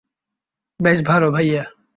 বেশ ভালো, ভাইয়া।